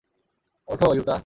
ওঠো, ইউতা!